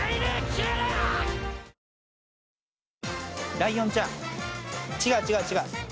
ライオンちゃん違う違う。